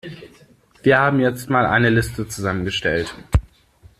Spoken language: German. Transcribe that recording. Wir haben jetzt mal eine Liste zusammengestellt.